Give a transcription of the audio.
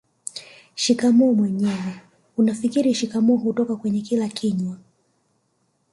Shikamoo mwenyewe unafikiri shikamoo hutoka kwenye kila kinywa